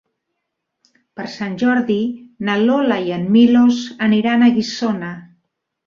Per Sant Jordi na Lola i en Milos aniran a Guissona.